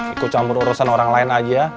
ikut campur urusan orang lain aja